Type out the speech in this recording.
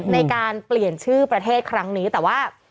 ในการเปลี่ยนชื่อประเทศครั้งนี้แต่ว่า